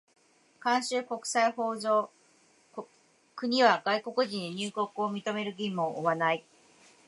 慣習国際法上、国は外国人に入国を認める義務を負わない。